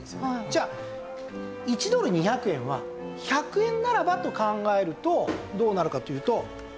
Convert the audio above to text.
じゃあ１ドル２００円は１００円ならばと考えるとどうなるかというと。